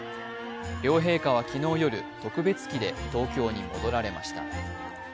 両陛下は昨日夜、特別機で東京に戻られました。